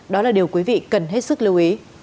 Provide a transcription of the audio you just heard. đó là điều quý vị cần hết sức lưu ý